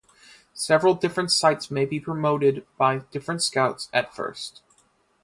Several different sites may be promoted by different scouts at first.